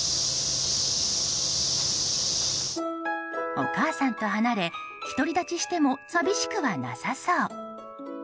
お母さんと離れ、独り立ちしても寂しくはなさそう。